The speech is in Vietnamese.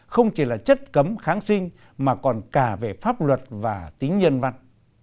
không chỉ là chất cấm kháng sinh mà còn cả về pháp luật và tính nhân văn